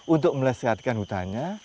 untuk melesatkan hutannya